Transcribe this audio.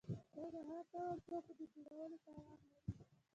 دوی د هر ډول توکو د جوړولو توان لري.